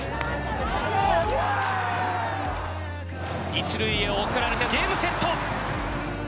一塁へ送られてゲームセット。